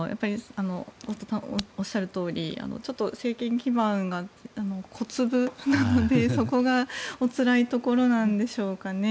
おっしゃるとおりちょっと政権基盤が小粒なのでそこがおつらいところなんでしょうかね。